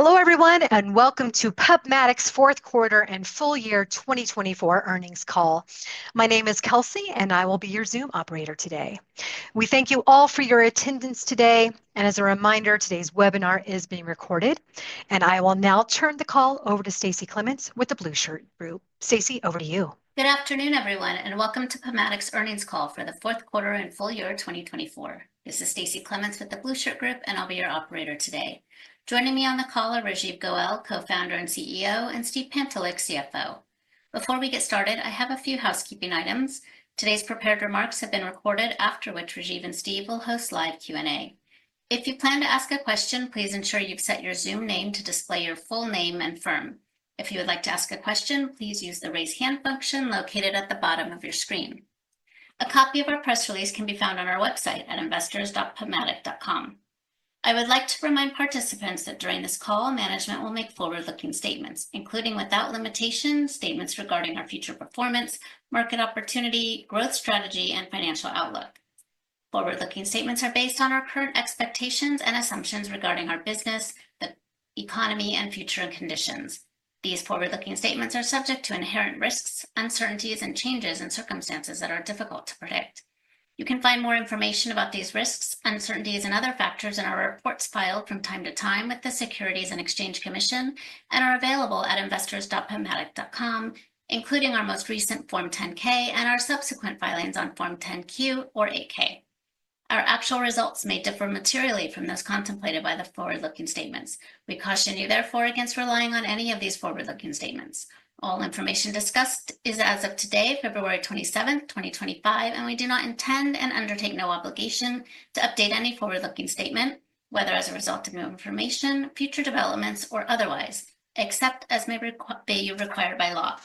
Hello, everyone, and welcome to PubMatic's fourth quarter and full year 2024 earnings call. My name is Kelsey, and I will be your Zoom operator today. We thank you all for your attendance today. As a reminder, today's webinar is being recorded, and I will now turn the call over to Stacie Clements with the Blue Shirt Group. Stacie, over to you. Good afternoon, everyone, and welcome to PubMatic's earnings call for the fourth quarter and full year 2024. This is Stacie Clements with the Blue Shirt Group, and I'll be your operator today. Joining me on the call are Rajiv Goel, co-founder and CEO, and Steve Pantelick, CFO. Before we get started, I have a few housekeeping items. Today's prepared remarks have been recorded, after which Rajiv and Steve will host live Q&A. If you plan to ask a question, please ensure you've set your Zoom name to display your full name and firm. If you would like to ask a question, please use the raise hand function located at the bottom of your screen. A copy of our press release can be found on our website at investors.pubmatic.com. I would like to remind participants that during this call, management will make forward-looking statements, including without limitations, statements regarding our future performance, market opportunity, growth strategy, and financial outlook. Forward-looking statements are based on our current expectations and assumptions regarding our business, the economy, and future conditions. These forward-looking statements are subject to inherent risks, uncertainties, and changes in circumstances that are difficult to predict. You can find more information about these risks, uncertainties, and other factors in our reports filed from time to time with the Securities and Exchange Commission and are available at investors.pubmatic.com, including our most recent Form 10-K and our subsequent filings on Form 10-Q or 8-K. Our actual results may differ materially from those contemplated by the forward-looking statements. We caution you, therefore, against relying on any of these forward-looking statements. All information discussed is as of today, February 27, 2025, and we do not intend and undertake no obligation to update any forward-looking statement, whether as a result of new information, future developments, or otherwise, except as may be required by law.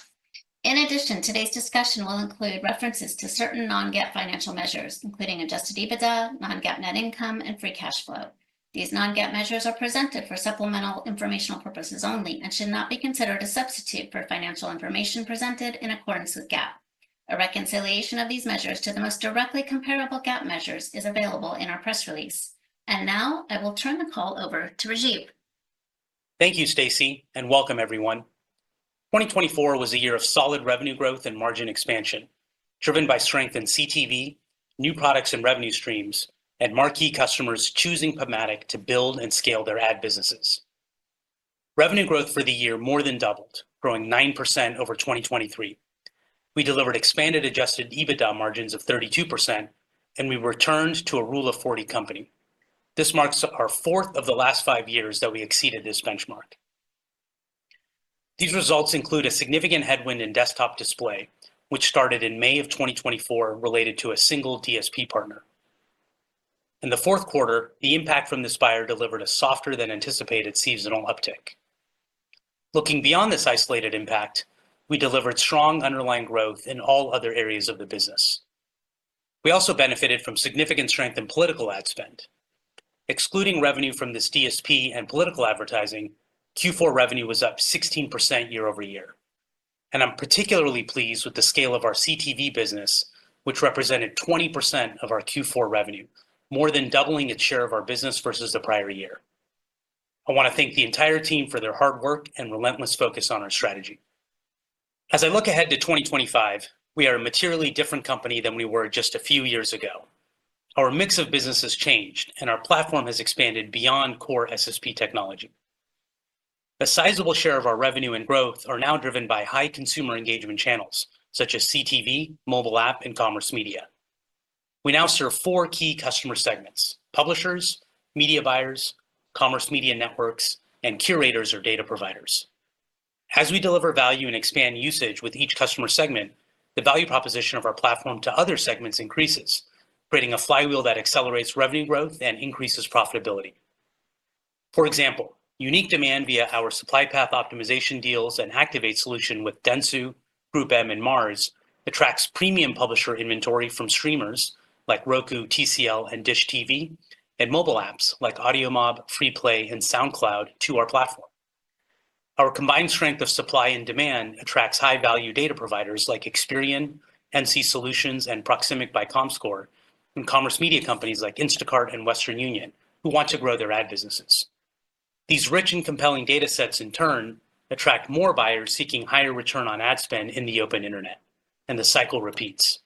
In addition, today's discussion will include references to certain non-GAAP financial measures, including adjusted EBITDA, non-GAAP net income, and free cash flow. These non-GAAP measures are presented for supplemental informational purposes only and should not be considered a substitute for financial information presented in accordance with GAAP. A reconciliation of these measures to the most directly comparable GAAP measures is available in our press release. I will now turn the call over to Rajiv. Thank you, Stacie, and welcome, everyone. 2024 was a year of solid revenue growth and margin expansion, driven by strength in CTV, new products and revenue streams, and marquee customers choosing PubMatic to build and scale their ad businesses. Revenue growth for the year more than doubled, growing 9% over 2023. We delivered expanded adjusted EBITDA margins of 32%, and we returned to a rule of 40 company. This marks our fourth of the last five years that we exceeded this benchmark. These results include a significant headwind in desktop display, which started in May of 2024 related to a single DSP partner. In the fourth quarter, the impact from this buyer delivered a softer-than-anticipated seasonal uptick. Looking beyond this isolated impact, we delivered strong underlying growth in all other areas of the business. We also benefited from significant strength in political ad spend. Excluding revenue from this DSP and political advertising, Q4 revenue was up 16% year-over-year. I am particularly pleased with the scale of our CTV business, which represented 20% of our Q4 revenue, more than doubling its share of our business versus the prior year. I want to thank the entire team for their hard work and relentless focus on our strategy. As I look ahead to 2025, we are a materially different company than we were just a few years ago. Our mix of business has changed, and our platform has expanded beyond core SSP technology. A sizable share of our revenue and growth are now driven by high consumer engagement channels, such as CTV, mobile app, and commerce media. We now serve four key customer segments: publishers, media buyers, commerce media networks, and curators or data providers. As we deliver value and expand usage with each customer segment, the value proposition of our platform to other segments increases, creating a flywheel that accelerates revenue growth and increases profitability. For example, unique demand via our supply path optimization deals and Activate solution with Dentsu, GroupM, and Mars attracts premium publisher inventory from streamers like Roku, TCL, and Dish TV, and mobile apps like AudioMob, FreePlay, and SoundCloud to our platform. Our combined strength of supply and demand attracts high-value data providers like Experian, NC Solutions, and Proximic by Comscore, and commerce media companies like Instacart and Western Union, who want to grow their ad businesses. These rich and compelling data sets, in turn, attract more buyers seeking higher return on ad spend in the open internet, and the cycle repeats.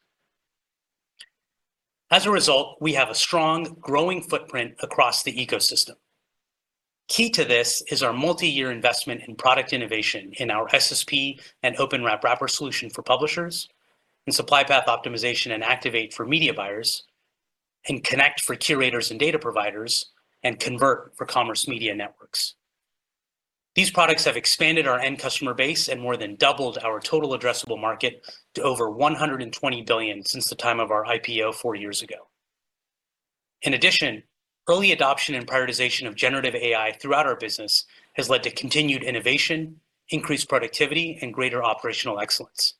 As a result, we have a strong, growing footprint across the ecosystem. Key to this is our multi-year investment in product innovation in our SSP and OpenRAP wrapper solution for publishers, in supply path optimization and Activate for media buyers, and Connect for curators and data providers, and Convert for commerce media networks. These products have expanded our end customer base and more than doubled our total addressable market to over $120 billion since the time of our IPO four years ago. In addition, early adoption and prioritization of generative AI throughout our business has led to continued innovation, increased productivity, and greater operational excellence.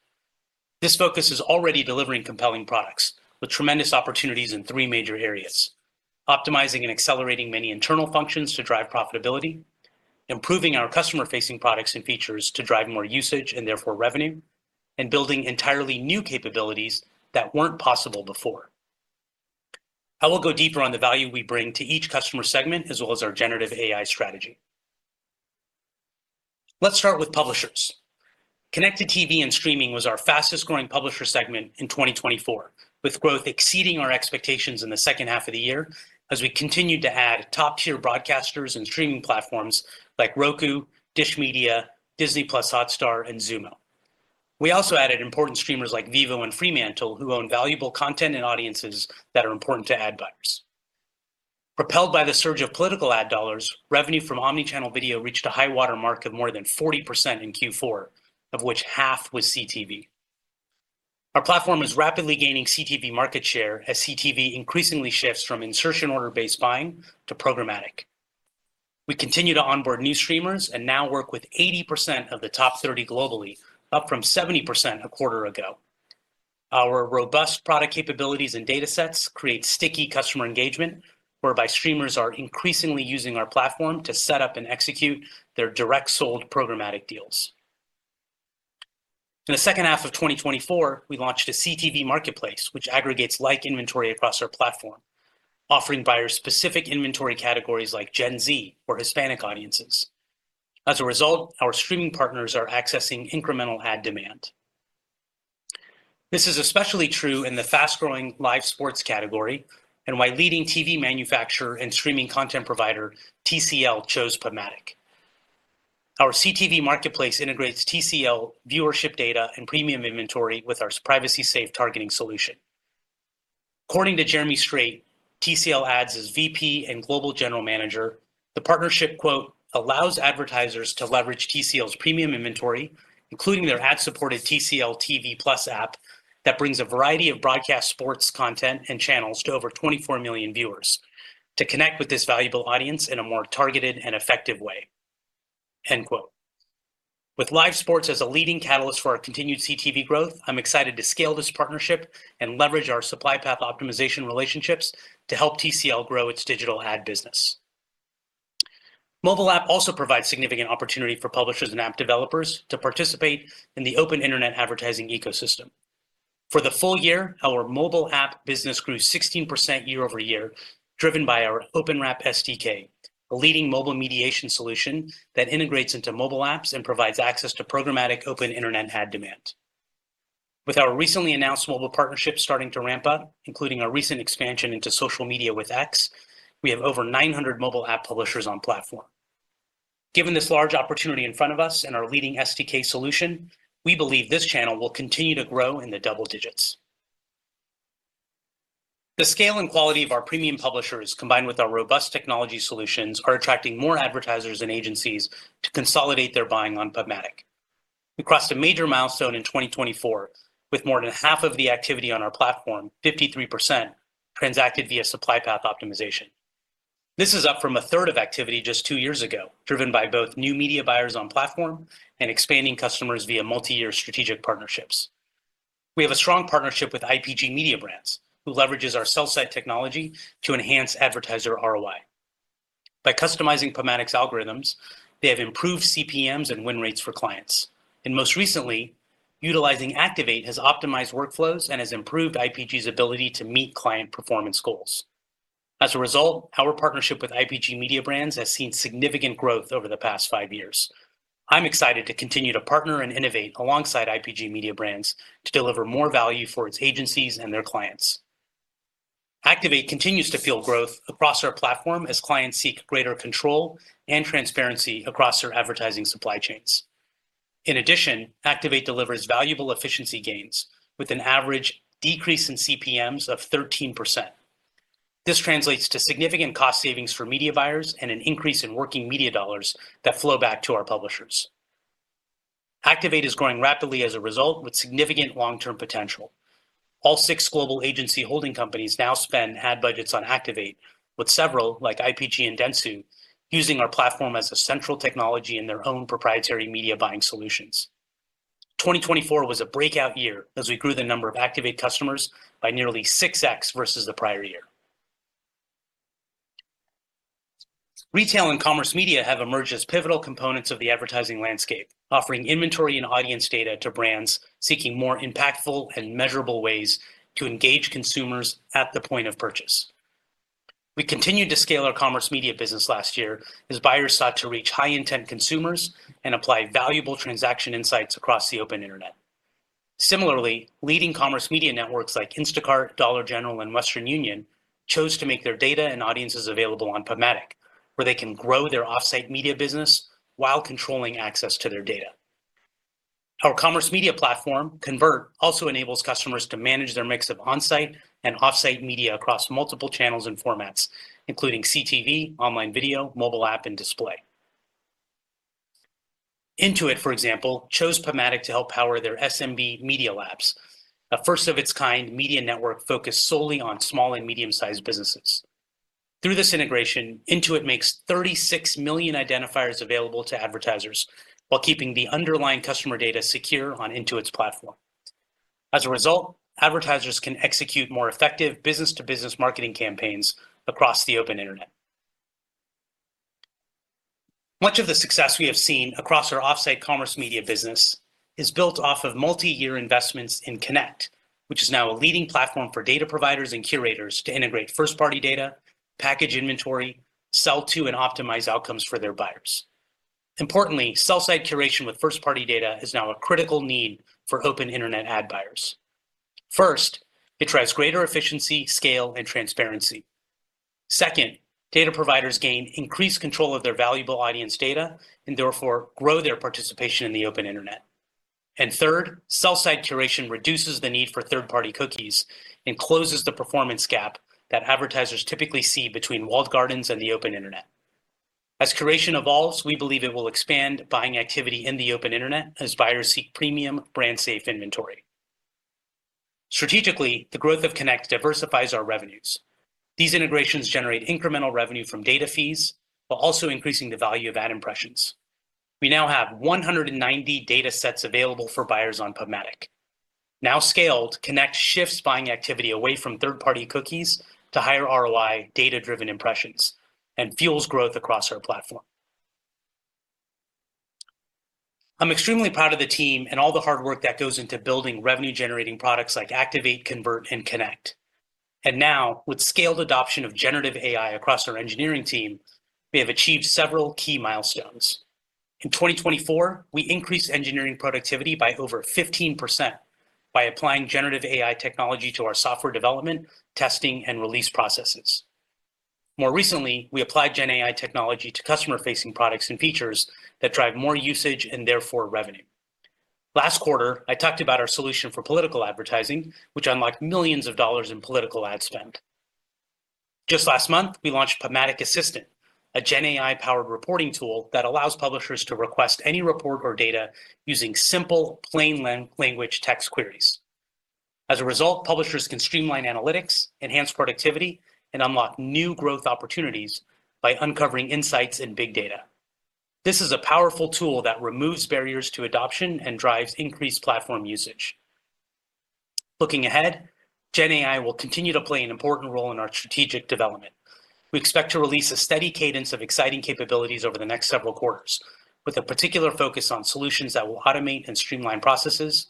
This focus is already delivering compelling products with tremendous opportunities in three major areas: optimizing and accelerating many internal functions to drive profitability, improving our customer-facing products and features to drive more usage and therefore revenue, and building entirely new capabilities that were not possible before. I will go deeper on the value we bring to each customer segment as well as our generative AI strategy. Let's start with publishers. Connected TV and streaming was our fastest-growing publisher segment in 2024, with growth exceeding our expectations in the second half of the year as we continued to add top-tier broadcasters and streaming platforms like Roku, Dish Media, Disney+ Hotstar, and Xumo.. We also added important streamers like Vevo and Fremantle, who own valuable content and audiences that are important to ad buyers. Propelled by the surge of political ad dollars, revenue from omnichannel video reached a high-water mark of more than 40% in Q4, of which half was CTV. Our platform is rapidly gaining CTV market share as CTV increasingly shifts from insertion order-based buying to programmatic. We continue to onboard new streamers and now work with 80% of the top 30 globally, up from 70% a quarter ago. Our robust product capabilities and data sets create sticky customer engagement, whereby streamers are increasingly using our platform to set up and execute their direct-sold programmatic deals. In the second half of 2024, we launched a CTV Marketplace, which aggregates like inventory across our platform, offering buyers specific inventory categories like Gen Z or Hispanic audiences. As a result, our streaming partners are accessing incremental ad demand. This is especially true in the fast-growing live sports category and why leading TV manufacturer and streaming content provider TCL chose PubMatic. Our CTV Marketplace integrates TCL viewership data and premium inventory with our privacy-safe targeting solution. According to Jeremy Straight, TCL Ads' VP and Global General Manager, the partnership, quote, "allows advertisers to leverage TCL's premium inventory, including their ad-supported TCL TV Plus app that brings a variety of broadcast sports content and channels to over 24 million viewers, to connect with this valuable audience in a more targeted and effective way." End quote. With live sports as a leading catalyst for our continued CTV growth, I'm excited to scale this partnership and leverage our supply path optimization relationships to help TCL grow its digital ad business. Mobile app also provides significant opportunity for publishers and app developers to participate in the open internet advertising ecosystem. For the full year, our mobile app business grew 16% year-over-year, driven by our OpenRAP SDK, a leading mobile mediation solution that integrates into mobile apps and provides access to programmatic open internet ad demand. With our recently announced mobile partnership starting to ramp up, including our recent expansion into social media with X, we have over 900 mobile app publishers on platform. Given this large opportunity in front of us and our leading SDK solution, we believe this channel will continue to grow in the double digits. The scale and quality of our premium publishers, combined with our robust technology solutions, are attracting more advertisers and agencies to consolidate their buying on PubMatic. We crossed a major milestone in 2024, with more than half of the activity on our platform, 53%, transacted via supply path optimization. This is up from a third of activity just two years ago, driven by both new media buyers on platform and expanding customers via multi-year strategic partnerships. We have a strong partnership with IPG Mediabrands, who leverages our sell-side technology to enhance advertiser ROI. By customizing PubMatic's algorithms, they have improved CPMs and win rates for clients. Most recently, utilizing Activate has optimized workflows and has improved IPG's ability to meet client performance goals. As a result, our partnership with IPG Mediabrands has seen significant growth over the past five years. I'm excited to continue to partner and innovate alongside IPG Mediabrands to deliver more value for its agencies and their clients. Activate continues to fuel growth across our platform as clients seek greater control and transparency across their advertising supply chains. In addition, Activate delivers valuable efficiency gains with an average decrease in CPMs of 13%. This translates to significant cost savings for media buyers and an increase in working media dollars that flow back to our publishers. Activate is growing rapidly as a result, with significant long-term potential. All six global agency holding companies now spend ad budgets on Activate, with several, like IPG and Dentsu, using our platform as a central technology in their own proprietary media buying solutions. 2024 was a breakout year as we grew the number of Activate customers by nearly 6x versus the prior year. Retail and commerce media have emerged as pivotal components of the advertising landscape, offering inventory and audience data to brands seeking more impactful and measurable ways to engage consumers at the point of purchase. We continued to scale our commerce media business last year as buyers sought to reach high-intent consumers and apply valuable transaction insights across the open internet. Similarly, leading commerce media networks like Instacart, Dollar General, and Western Union chose to make their data and audiences available on PubMatic, where they can grow their off-site media business while controlling access to their data. Our commerce media platform, Convert, also enables customers to manage their mix of on-site and off-site media across multiple channels and formats, including CTV, online video, mobile app, and display. Intuit, for example, chose PubMatic to help power their SMB media labs, a first-of-its-kind media network focused solely on small and medium-sized businesses. Through this integration, Intuit makes 36 million identifiers available to advertisers while keeping the underlying customer data secure on Intuit's platform. As a result, advertisers can execute more effective business-to-business marketing campaigns across the open internet. Much of the success we have seen across our off-site commerce media business is built off of multi-year investments in Connect, which is now a leading platform for data providers and curators to integrate first-party data, package inventory, sell to, and optimize outcomes for their buyers. Importantly, sell-side curation with first-party data is now a critical need for open internet ad buyers. First, it drives greater efficiency, scale, and transparency. Second, data providers gain increased control of their valuable audience data and therefore grow their participation in the open internet. Third, sell-side curation reduces the need for third-party cookies and closes the performance gap that advertisers typically see between walled gardens and the open internet. As curation evolves, we believe it will expand buying activity in the open internet as buyers seek premium, brand-safe inventory. Strategically, the growth of Connect diversifies our revenues. These integrations generate incremental revenue from data fees while also increasing the value of ad impressions. We now have 190 data sets available for buyers on PubMatic. Now scaled, Connect shifts buying activity away from third-party cookies to higher ROI data-driven impressions and fuels growth across our platform. I'm extremely proud of the team and all the hard work that goes into building revenue-generating products like Activate, Convert, and Connect. With scaled adoption of generative AI across our engineering team, we have achieved several key milestones. In 2024, we increased engineering productivity by over 15% by applying generative AI technology to our software development, testing, and release processes. More recently, we applied GenAI technology to customer-facing products and features that drive more usage and therefore revenue. Last quarter, I talked about our solution for political advertising, which unlocked millions of dollars in political ad spend. Just last month, we launched PubMatic Assistant, a GenAI-powered reporting tool that allows publishers to request any report or data using simple, plain language text queries. As a result, publishers can streamline analytics, enhance productivity, and unlock new growth opportunities by uncovering insights and big data. This is a powerful tool that removes barriers to adoption and drives increased platform usage. Looking ahead, GenAI will continue to play an important role in our strategic development. We expect to release a steady cadence of exciting capabilities over the next several quarters, with a particular focus on solutions that will automate and streamline processes,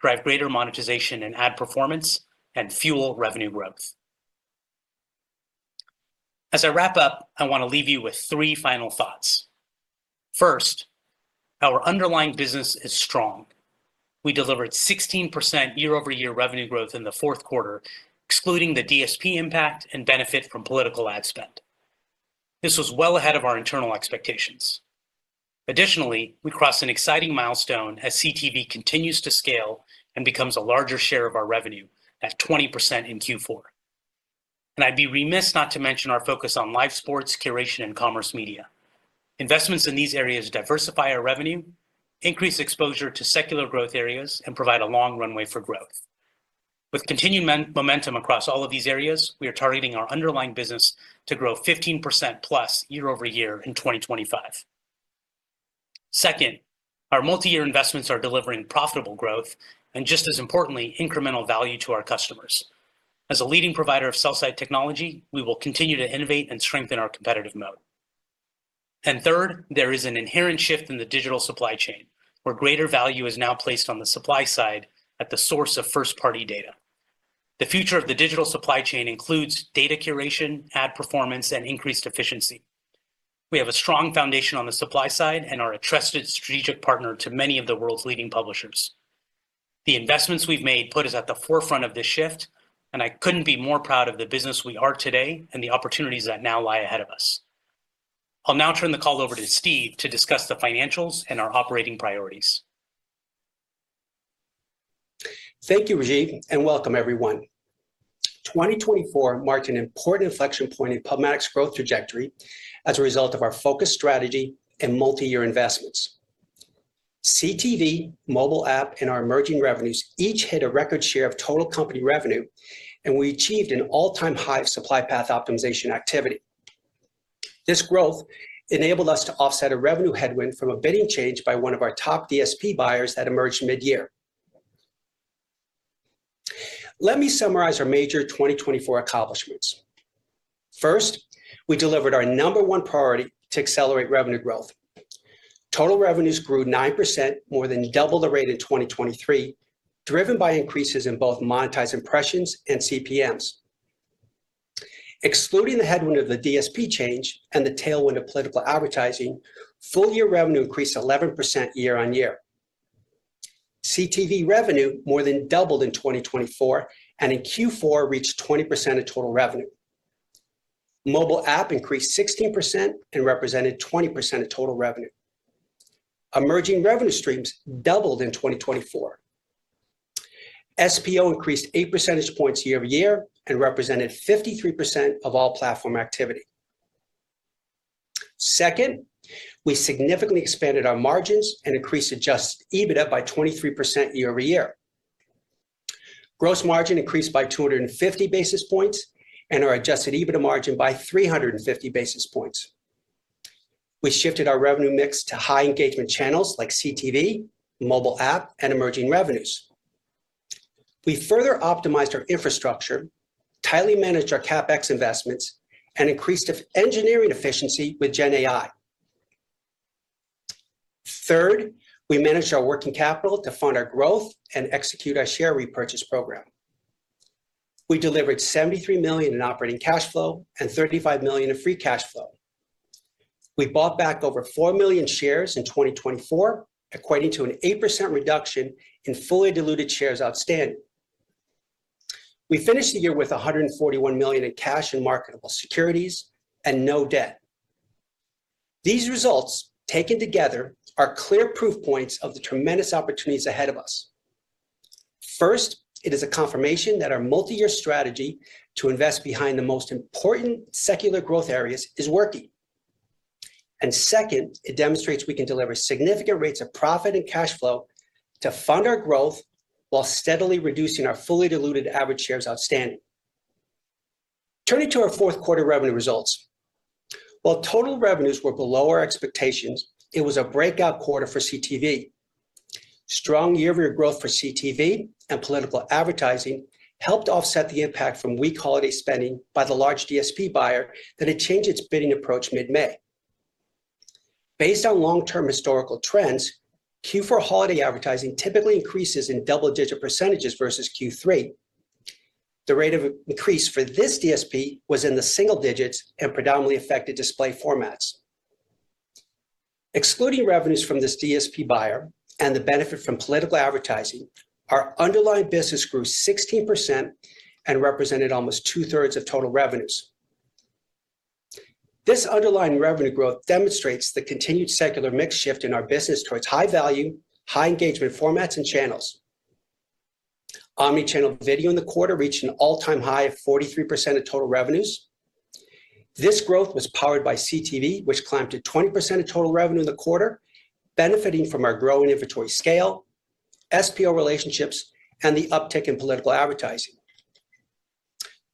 drive greater monetization and ad performance, and fuel revenue growth. As I wrap up, I want to leave you with three final thoughts. First, our underlying business is strong. We delivered 16% year-over-year revenue growth in the fourth quarter, excluding the DSP impact and benefit from political ad spend. This was well ahead of our internal expectations. Additionally, we crossed an exciting milestone as CTV continues to scale and becomes a larger share of our revenue at 20% in Q4. I would be remiss not to mention our focus on live sports, curation, and commerce media. Investments in these areas diversify our revenue, increase exposure to secular growth areas, and provide a long runway for growth. With continued momentum across all of these areas, we are targeting our underlying business to grow 15%+ year-over-year in 2025. Second, our multi-year investments are delivering profitable growth and, just as importantly, incremental value to our customers. As a leading provider of sell-side technology, we will continue to innovate and strengthen our competitive moat. Third, there is an inherent shift in the digital supply chain, where greater value is now placed on the supply side at the source of first-party data. The future of the digital supply chain includes data curation, ad performance, and increased efficiency. We have a strong foundation on the supply side and are a trusted strategic partner to many of the world's leading publishers. The investments we've made put us at the forefront of this shift, and I couldn't be more proud of the business we are today and the opportunities that now lie ahead of us. I'll now turn the call over to Steve to discuss the financials and our operating priorities. Thank you, Rajiv, and welcome, everyone. 2024 marked an important inflection point in PubMatic's growth trajectory as a result of our focused strategy and multi-year investments. CTV, mobile app, and our emerging revenues each hit a record share of total company revenue, and we achieved an all-time high of supply path optimization activity. This growth enabled us to offset a revenue headwind from a bidding change by one of our top DSP buyers that emerged mid-year. Let me summarize our major 2024 accomplishments. First, we delivered our number one priority to accelerate revenue growth. Total revenues grew 9%, more than double the rate in 2023, driven by increases in both monetized impressions and CPMs. Excluding the headwind of the DSP change and the tailwind of political advertising, full-year revenue increased 11% year-on-year. CTV revenue more than doubled in 2024 and in Q4 reached 20% of total revenue. Mobile app increased 16% and represented 20% of total revenue. Emerging revenue streams doubled in 2024. SPO increased 8 percentage points year-over-year and represented 53% of all platform activity. Second, we significantly expanded our margins and increased adjusted EBITDA by 23% year-over-year. Gross margin increased by 250 basis points and our adjusted EBITDA margin by 350 basis points. We shifted our revenue mix to high engagement channels like CTV, mobile app, and emerging revenues. We further optimized our infrastructure, tightly managed our CapEx investments, and increased engineering efficiency with GenAI. Third, we managed our working capital to fund our growth and execute our share repurchase program. We delivered $73 million in operating cash flow and $35 million in free cash flow. We bought back over four million shares in 2024, equating to an 8% reduction in fully diluted shares outstanding. We finished the year with $141 million in cash and marketable securities and no debt. These results, taken together, are clear proof points of the tremendous opportunities ahead of us. First, it is a confirmation that our multi-year strategy to invest behind the most important secular growth areas is working. Second, it demonstrates we can deliver significant rates of profit and cash flow to fund our growth while steadily reducing our fully diluted average shares outstanding. Turning to our fourth quarter revenue results, while total revenues were below our expectations, it was a breakout quarter for CTV. Strong year-over-year growth for CTV and political advertising helped offset the impact from weak holiday spending by the large DSP buyer that had changed its bidding approach mid-May. Based on long-term historical trends, Q4 holiday advertising typically increases in double-digit percentages versus Q3. The rate of increase for this DSP was in the single digits and predominantly affected display formats. Excluding revenues from this DSP buyer and the benefit from political advertising, our underlying business grew 16% and represented almost two-thirds of total revenues. This underlying revenue growth demonstrates the continued secular mix shift in our business towards high-value, high-engagement formats and channels. Omnichannel video in the quarter reached an all-time high of 43% of total revenues. This growth was powered by CTV, which climbed to 20% of total revenue in the quarter, benefiting from our growing inventory scale, SPO relationships, and the uptick in political advertising.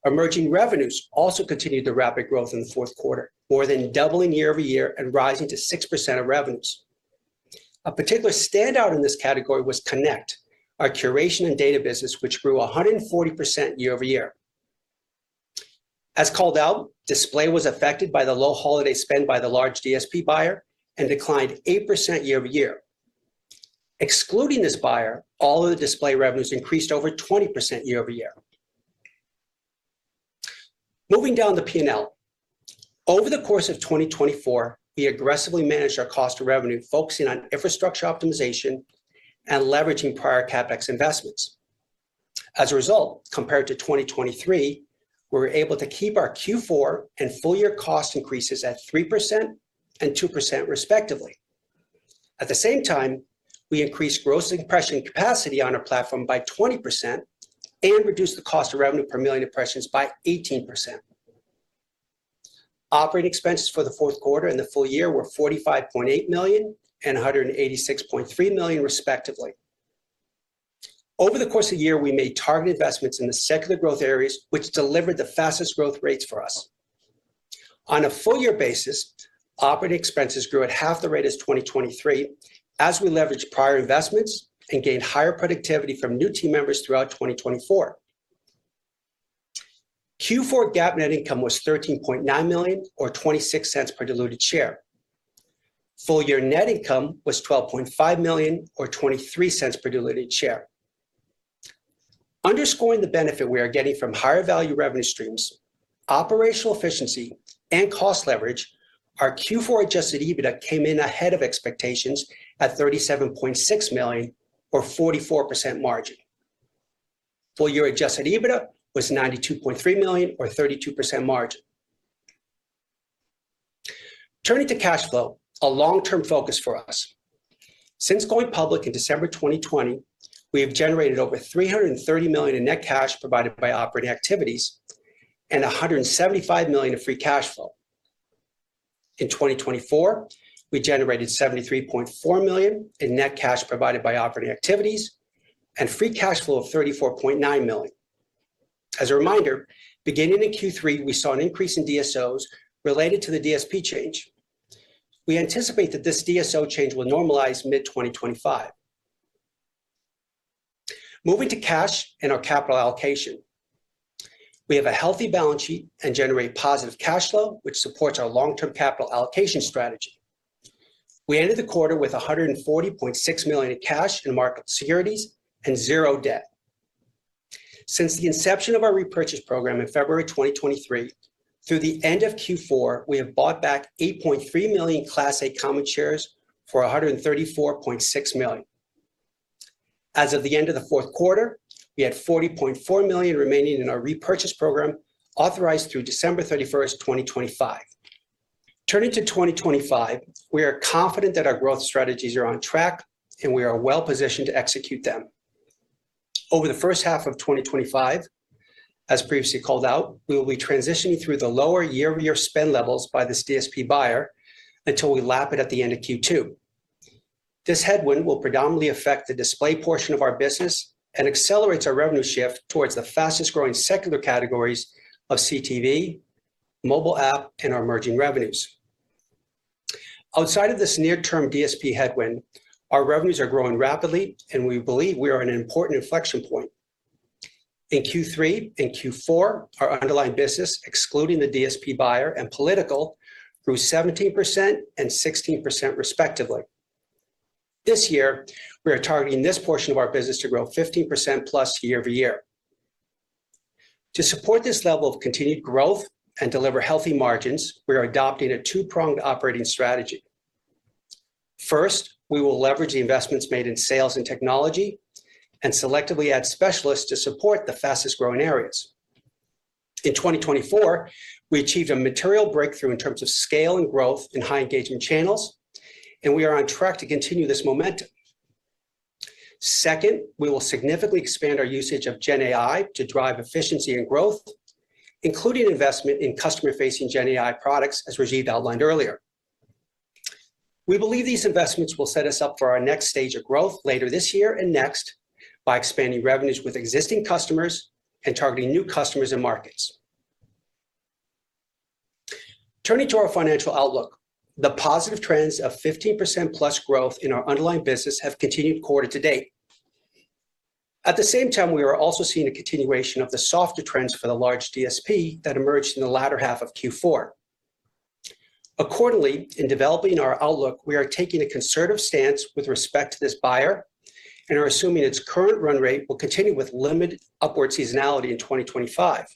Emerging revenues also continued the rapid growth in the fourth quarter, more than doubling year-over-year and rising to 6% of revenues. A particular standout in this category was Connect, our curation and data business, which grew 140% year-over-year. As called out, display was affected by the low holiday spend by the large DSP buyer and declined 8% year-over-year. Excluding this buyer, all of the display revenues increased over 20% year-over-year. Moving down the P&L, over the course of 2024, we aggressively managed our cost of revenue, focusing on infrastructure optimization and leveraging prior CapEx investments. As a result, compared to 2023, we were able to keep our Q4 and full-year cost increases at 3% and 2%, respectively. At the same time, we increased gross impression capacity on our platform by 20% and reduced the cost of revenue per million impressions by 18%. Operating expenses for the fourth quarter and the full year were $45.8 million and $186.3 million, respectively. Over the course of the year, we made targeted investments in the secular growth areas, which delivered the fastest growth rates for us. On a full-year basis, operating expenses grew at half the rate as 2023, as we leveraged prior investments and gained higher productivity from new team members throughout 2024. Q4 GAAP net income was $13.9 million, or $0.26 per diluted share. Full-year net income was $12.5 million, or $0.23 per diluted share. Underscoring the benefit we are getting from higher value revenue streams, operational efficiency, and cost leverage, our Q4 adjusted EBITDA came in ahead of expectations at $37.6 million, or 44% margin. Full-year adjusted EBITDA was $92.3 million, or 32% margin. Turning to cash flow, a long-term focus for us. Since going public in December 2020, we have generated over $330 million in net cash provided by operating activities and $175 million in free cash flow. In 2024, we generated $73.4 million in net cash provided by operating activities and free cash flow of $34.9 million. As a reminder, beginning in Q3, we saw an increase in DSOs related to the DSP change. We anticipate that this DSO change will normalize mid-2025. Moving to cash and our capital allocation. We have a healthy balance sheet and generate positive cash flow, which supports our long-term capital allocation strategy. We ended the quarter with $140.6 million in cash and marketable securities and zero debt. Since the inception of our repurchase program in February 2023, through the end of Q4, we have bought back 8.3 million Class A Common shares for $134.6 million. As of the end of the fourth quarter, we had $40.4 million remaining in our repurchase program authorized through December 31st, 2025. Turning to 2025, we are confident that our growth strategies are on track and we are well-positioned to execute them. Over the first half of 2025, as previously called out, we will be transitioning through the lower year-over-year spend levels by this DSP buyer until we lap it at the end of Q2. This headwind will predominantly affect the display portion of our business and accelerates our revenue shift towards the fastest-growing secular categories of CTV, mobile app, and our emerging revenues. Outside of this near-term DSP headwind, our revenues are growing rapidly, and we believe we are at an important inflection point. In Q3 and Q4, our underlying business, excluding the DSP buyer and political, grew 17% and 16%, respectively. This year, we are targeting this portion of our business to grow 15%+ year-over-year. To support this level of continued growth and deliver healthy margins, we are adopting a two-pronged operating strategy. First, we will leverage the investments made in sales and technology and selectively add specialists to support the fastest-growing areas. In 2024, we achieved a material breakthrough in terms of scale and growth in high engagement channels, and we are on track to continue this momentum. Second, we will significantly expand our usage of GenAI to drive efficiency and growth, including investment in customer-facing GenAI products, as Rajiv outlined earlier. We believe these investments will set us up for our next stage of growth later this year and next by expanding revenues with existing customers and targeting new customers and markets. Turning to our financial outlook, the positive trends of 15%+ growth in our underlying business have continued quarter to date. At the same time, we are also seeing a continuation of the softer trends for the large DSP that emerged in the latter half of Q4. Accordingly, in developing our outlook, we are taking a conservative stance with respect to this buyer and are assuming its current run rate will continue with limited upward seasonality in 2025.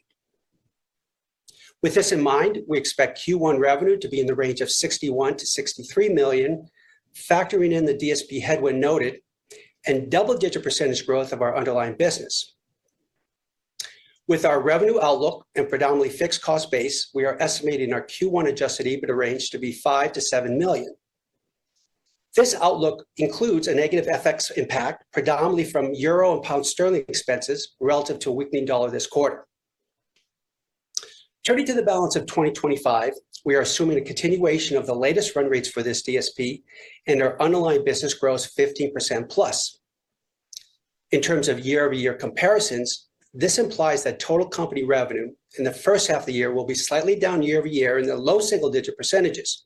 With this in mind, we expect Q1 revenue to be in the range of $61-$63 million, factoring in the DSP headwind noted and double-digit percentage growth of our underlying business. With our revenue outlook and predominantly fixed cost base, we are estimating our Q1 adjusted EBITDA range to be $5-$7 million. This outlook includes a negative FX impact, predominantly from euro and pound sterling expenses relative to a weakening dollar this quarter. Turning to the balance of 2025, we are assuming a continuation of the latest run rates for this DSP and our underlying business grows 15%+. In terms of year-over-year comparisons, this implies that total company revenue in the first half of the year will be slightly down year-over-year in the low single-digit percentages.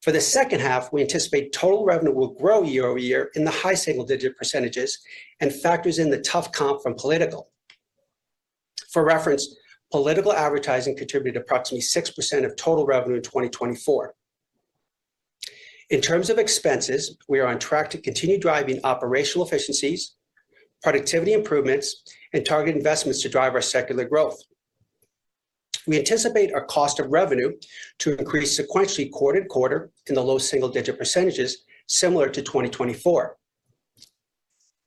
For the second half, we anticipate total revenue will grow year-over-year in the high single-digit percentages and factors in the tough comp from political. For reference, political advertising contributed approximately 6% of total revenue in 2024. In terms of expenses, we are on track to continue driving operational efficiencies, productivity improvements, and target investments to drive our secular growth. We anticipate our cost of revenue to increase sequentially quarter to quarter in the low single-digit percentages, similar to 2024.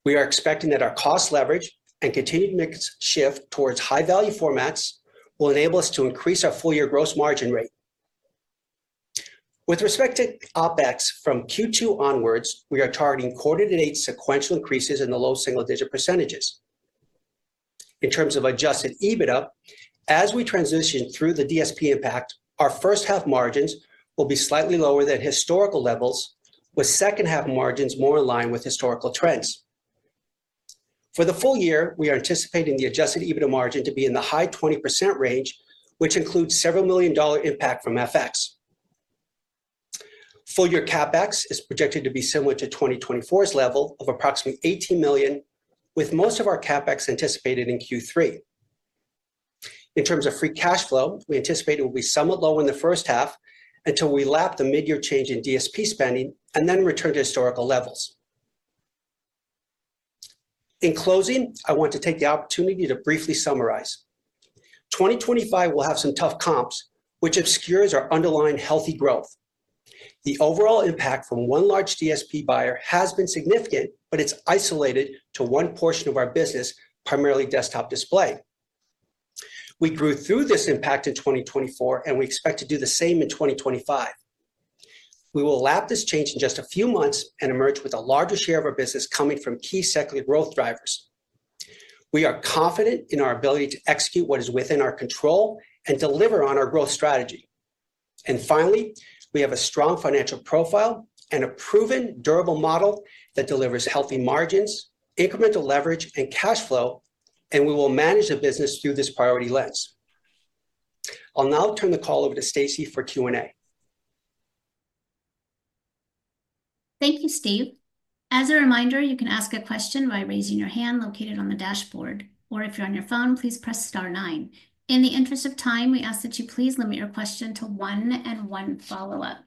We are expecting that our cost leverage and continued mix shift towards high-value formats will enable us to increase our full-year gross margin rate. With respect to OpEx from Q2 onwards, we are targeting quarter to date sequential increases in the low single-digit percentages. In terms of adjusted EBITDA, as we transition through the DSP impact, our first half margins will be slightly lower than historical levels, with second half margins more in line with historical trends. For the full year, we are anticipating the adjusted EBITDA margin to be in the high 20% range, which includes several million dollar impact from FX. Full-year CapEx is projected to be similar to 2024's level of approximately $18 million, with most of our CapEx anticipated in Q3. In terms of free cash flow, we anticipate it will be somewhat low in the first half until we lap the mid-year change in DSP spending and then return to historical levels. In closing, I want to take the opportunity to briefly summarize. 2025 will have some tough comps, which obscures our underlying healthy growth. The overall impact from one large DSP buyer has been significant, but it's isolated to one portion of our business, primarily desktop display. We grew through this impact in 2024, and we expect to do the same in 2025. We will lap this change in just a few months and emerge with a larger share of our business coming from key secular growth drivers. We are confident in our ability to execute what is within our control and deliver on our growth strategy. Finally, we have a strong financial profile and a proven, durable model that delivers healthy margins, incremental leverage, and cash flow, and we will manage the business through this priority lens. I'll now turn the call over to Stacie for Q&A. Thank you, Steve. As a reminder, you can ask a question by raising your hand located on the dashboard. If you're on your phone, please press star nine. In the interest of time, we ask that you please limit your question to one and one follow-up.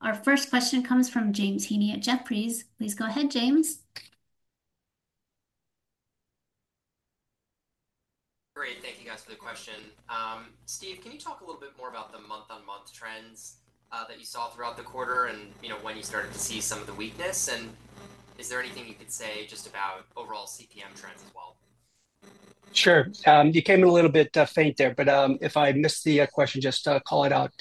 Our first question comes from James Heaney at Jefferies. Please go ahead, James. Great. Thank you, guys, for the question. Steve, can you talk a little bit more about the month-on-month trends that you saw throughout the quarter and when you started to see some of the weakness? Is there anything you could say just about overall CPM trends as well? Sure. You came in a little bit faint there, but if I missed the question, just call it out.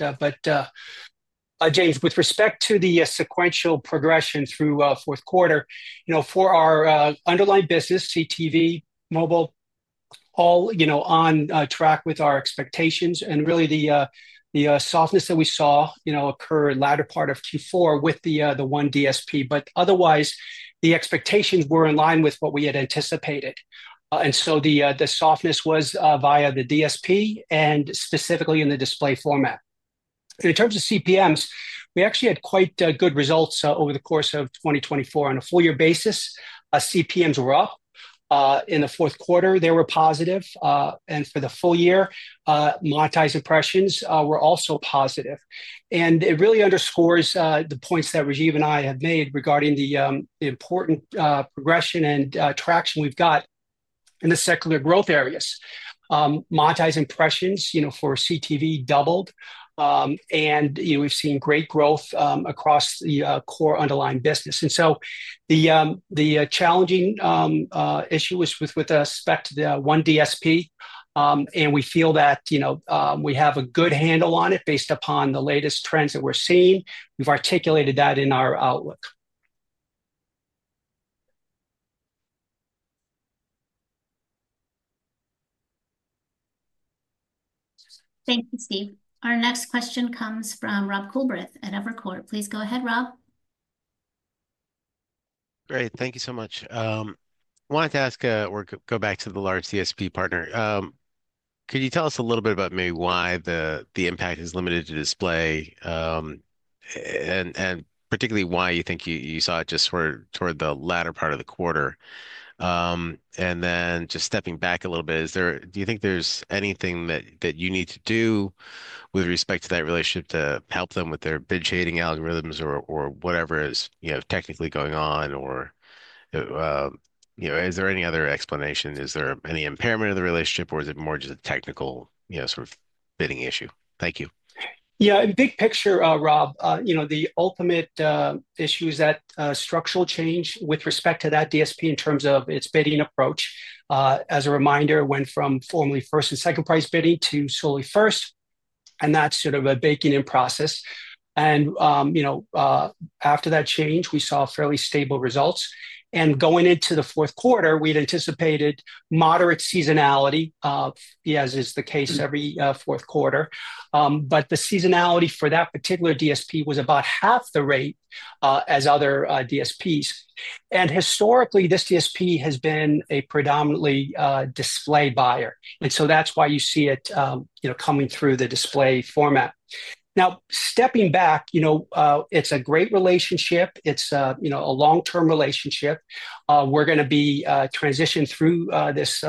James, with respect to the sequential progression through fourth quarter, for our underlying business, CTV, mobile, all on track with our expectations and really the softness that we saw occur in the latter part of Q4 with the one DSP. Otherwise, the expectations were in line with what we had anticipated. The softness was via the DSP and specifically in the display format. In terms of CPMs, we actually had quite good results over the course of 2024. On a full-year basis, CPMs were up. In the fourth quarter, they were positive. For the full year, monetized impressions were also positive. It really underscores the points that Rajiv and I have made regarding the important progression and traction we've got in the secular growth areas. Monetized impressions for CTV doubled, and we've seen great growth across the core underlying business. The challenging issue was with respect to the one DSP, and we feel that we have a good handle on it based upon the latest trends that we're seeing. We've articulated that in our outlook. Thank you, Steve. Our next question comes from Rob Coolbrith at Evercore ISI. Please go ahead, Rob. Great. Thank you so much. I wanted to ask or go back to the large DSP partner. Could you tell us a little bit about maybe why the impact is limited to display and particularly why you think you saw it just toward the latter part of the quarter? Just stepping back a little bit, do you think there's anything that you need to do with respect to that relationship to help them with their bid shading algorithms or whatever is technically going on? Is there any other explanation? Is there any impairment of the relationship, or is it more just a technical sort of bidding issue? Thank you. Yeah, in big picture, Rob, the ultimate issue is that structural change with respect to that DSP in terms of its bidding approach. As a reminder, it went from formerly first and second price bidding to solely first, and that's sort of a baking-in process. After that change, we saw fairly stable results. Going into the fourth quarter, we'd anticipated moderate seasonality, as is the case every fourth quarter. The seasonality for that particular DSP was about half the rate as other DSPs. Historically, this DSP has been a predominantly display buyer. That is why you see it coming through the display format. Now, stepping back, it's a great relationship. It's a long-term relationship. We're going to be transitioned through this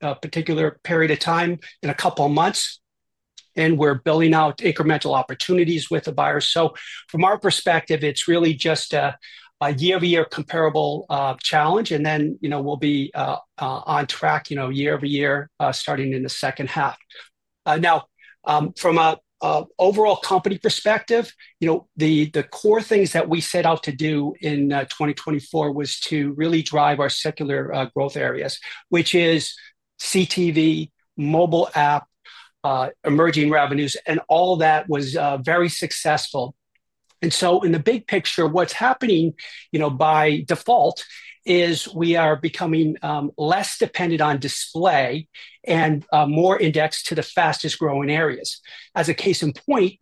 particular period of time in a couple of months, and we're building out incremental opportunities with the buyers. From our perspective, it's really just a year-over-year comparable challenge. We will be on track year-over-year starting in the second half. Now, from an overall company perspective, the core things that we set out to do in 2024 was to really drive our secular growth areas, which is CTV, mobile app, emerging revenues, and all that was very successful. In the big picture, what's happening by default is we are becoming less dependent on display and more indexed to the fastest-growing areas. As a case in point,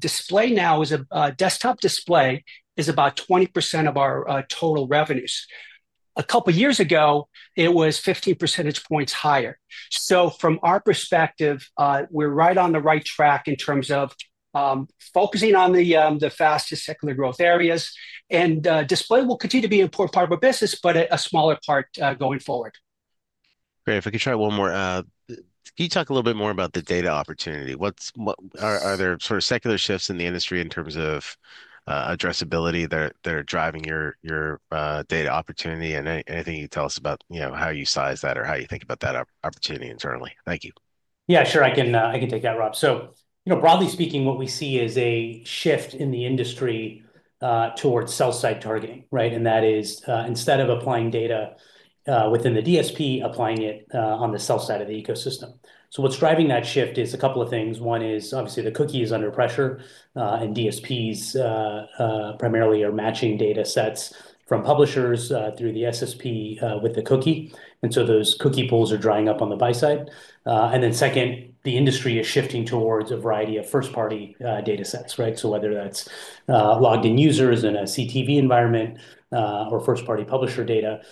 display now is, a desktop display is about 20% of our total revenues. A couple of years ago, it was 15 percentage points higher. From our perspective, we're right on the right track in terms of focusing on the fastest secular growth areas. Display will continue to be an important part of our business, but a smaller part going forward. Great. If I could try one more, can you talk a little bit more about the data opportunity? Are there sort of secular shifts in the industry in terms of addressability that are driving your data opportunity? Anything you can tell us about how you size that or how you think about that opportunity internally? Thank you. Yeah, sure. I can take that, Rob. Broadly speaking, what we see is a shift in the industry towards sell-side targeting, right? That is instead of applying data within the DSP, applying it on the sell-side of the ecosystem. What's driving that shift is a couple of things. One is, obviously, the cookie is under pressure, and DSPs primarily are matching data sets from publishers through the SSP with the cookie. Those cookie pools are drying up on the buy side. Second, the industry is shifting towards a variety of first-party data sets, right? Whether that's logged-in users in a CTV environment or first-party publisher data,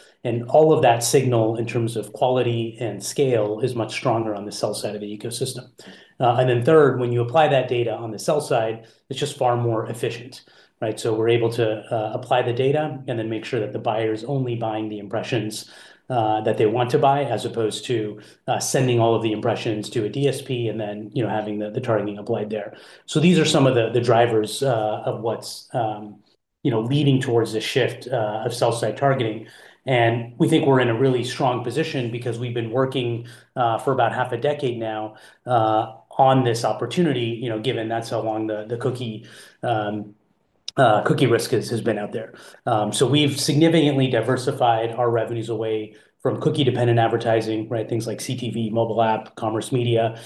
all of that signal in terms of quality and scale is much stronger on the sell-side of the ecosystem. Third, when you apply that data on the sell-side, it's just far more efficient, right? We're able to apply the data and then make sure that the buyer is only buying the impressions that they want to buy as opposed to sending all of the impressions to a DSP and then having the targeting applied there. These are some of the drivers of what's leading towards the shift of sell-side targeting. We think we're in a really strong position because we've been working for about half a decade now on this opportunity, given that's how long the cookie risk has been out there. We've significantly diversified our revenues away from cookie-dependent advertising, right? Things like CTV, mobile app, commerce media,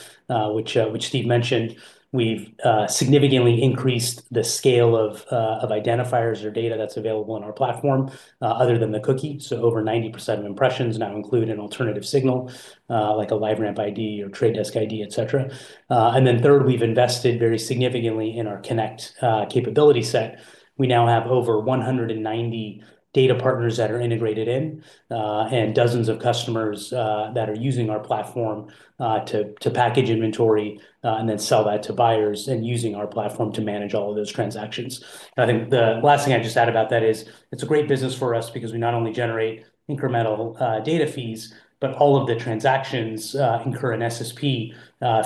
which Steve mentioned. We've significantly increased the scale of identifiers or data that's available in our platform other than the cookie. Over 90% of impressions now include an alternative signal like a LiveRamp ID or Trade Desk ID, etc. Third, we've invested very significantly in our Connect capability set. We now have over 190 data partners that are integrated in and dozens of customers that are using our platform to package inventory and then sell that to buyers and using our platform to manage all of those transactions. I think the last thing I just add about that is it's a great business for us because we not only generate incremental data fees, but all of the transactions incur an SSP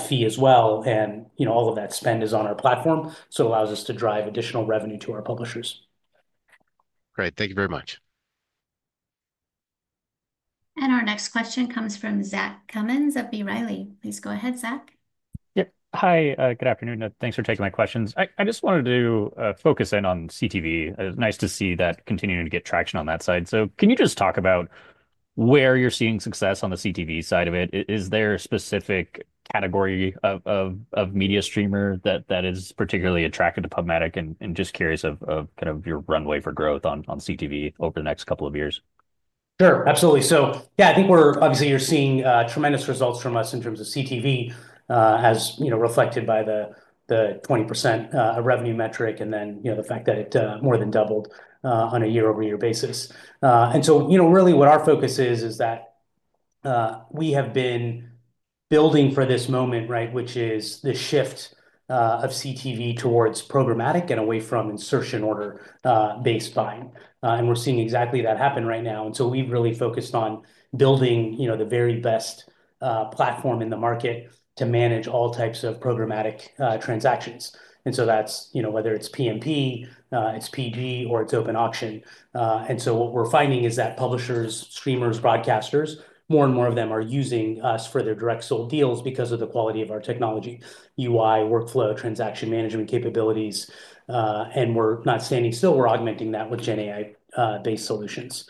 fee as well. All of that spend is on our platform. It allows us to drive additional revenue to our publishers. Great. Thank you very much. Our next question comes from Zach Cummins of B. Riley. Please go ahead, Zach. Yeah. Hi, good afternoon. Thanks for taking my questions. I just wanted to focus in on CTV. It's nice to see that continuing to get traction on that side. Can you just talk about where you're seeing success on the CTV side of it? Is there a specific category of media streamer that is particularly attracted to PubMatic and just curious of kind of your runway for growth on CTV over the next couple of years? Sure. Absolutely. Yeah, I think we're obviously seeing tremendous results from us in terms of CTV, as reflected by the 20% revenue metric and then the fact that it more than doubled on a year-over-year basis. What our focus is, is that we have been building for this moment, right, which is the shift of CTV towards programmatic and away from insertion order-based buying. We're seeing exactly that happen right now. We've really focused on building the very best platform in the market to manage all types of programmatic transactions. That's whether it's PMP, it's PG, or it's open auction. What we're finding is that publishers, streamers, broadcasters, more and more of them are using us for their direct sold deals because of the quality of our technology, UI, workflow, transaction management capabilities. We're not standing still. We're augmenting that with GenAI-based solutions.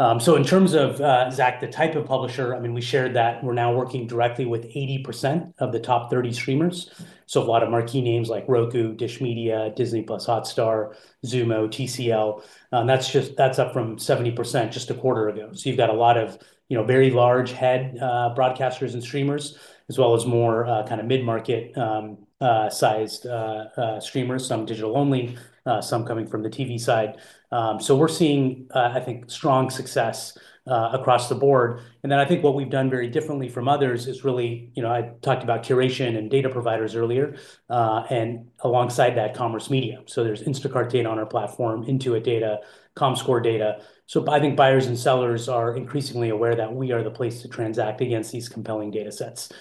In terms of, Zach, the type of publisher, I mean, we shared that we're now working directly with 80% of the top 30 streamers. A lot of marquee names like Roku, Dish Media, Disney+ Hotstar, Xumo, TCL. That's up from 70% just a quarter ago. You have a lot of very large head broadcasters and streamers, as well as more kind of mid-market-sized streamers, some digital-only, some coming from the TV side. I think we're seeing strong success across the board. I think what we've done very differently from others is really, I talked about curation and data providers earlier, and alongside that, commerce media. There's Instacart data on our platform, Intuit data, Comscore data. I think buyers and sellers are increasingly aware that we are the place to transact against these compelling data sets.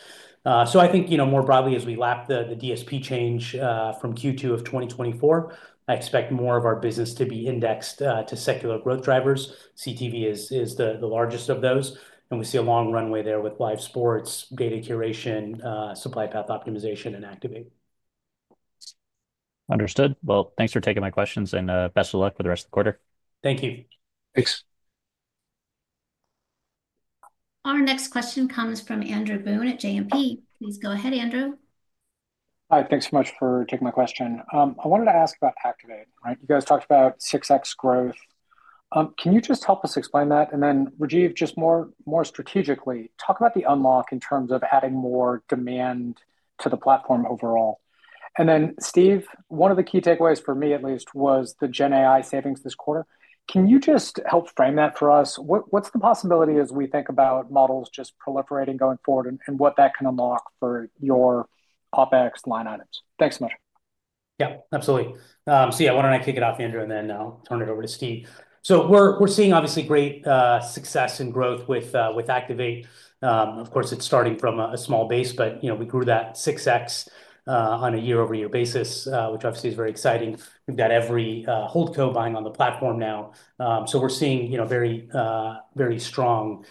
I think more broadly, as we lap the DSP change from Q2 of 2024, I expect more of our business to be indexed to secular growth drivers. CTV is the largest of those. We see a long runway there with live sports, data curation, supply path optimization, and Activate. Understood. Thanks for taking my questions and best of luck with the rest of the quarter. Thank you. Thanks. Our next question comes from Andrew Boone at JMP. Please go ahead, Andrew. Hi. Thanks so much for taking my question. I wanted to ask about Activate, right? You guys talked about 6x growth. Can you just help us explain that? Then, Rajiv, just more strategically, talk about the unlock in terms of adding more demand to the platform overall. Then, Steve, one of the key takeaways for me, at least, was the GenAI savings this quarter. Can you just help frame that for us? What's the possibility as we think about models just proliferating going forward and what that can unlock for your OpEx line items? Thanks so much. Yeah, absolutely. Yeah, why don't I kick it off, Andrew, and then I'll turn it over to Steve. We're seeing, obviously, great success and growth with Activate. Of course, it's starting from a small base, but we grew that 6x on a year-over-year basis, which obviously is very exciting. We've got every hold co buying on the platform now. We're seeing a very strong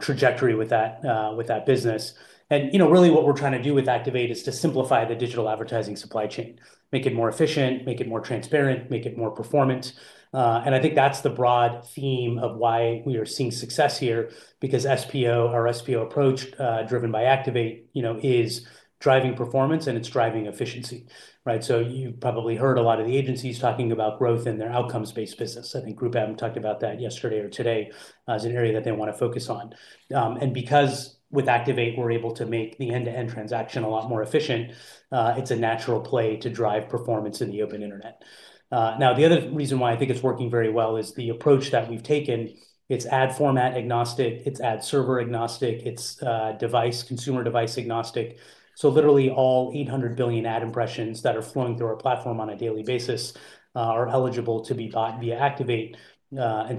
trajectory with that business. Really what we're trying to do with Activate is to simplify the digital advertising supply chain, make it more efficient, make it more transparent, make it more performant. I think that's the broad theme of why we are seeing success here because our SPO approach driven by Activate is driving performance and it's driving efficiency, right? You have probably heard a lot of the agencies talking about growth in their outcomes-based business. I think GroupM talked about that yesterday or today as an area that they want to focus on. Because with Activate, we are able to make the end-to-end transaction a lot more efficient, it's a natural play to drive performance in the open internet. The other reason why I think it's working very well is the approach that we have taken. It's ad format agnostic. It's ad server agnostic. It's consumer device agnostic. Literally all 800 billion ad impressions that are flowing through our platform on a daily basis are eligible to be bought via Activate. That